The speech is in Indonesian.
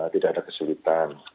tidak ada kesulitan